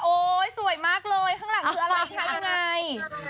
โอ๊ยสวยมากเลยข้างหลังเข้าอะไรใช้อย่างไร